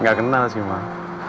nggak kenal sih mak